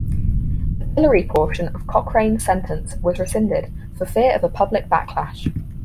The pillory portion of Cochrane's sentence was rescinded, for fear of a public backlash.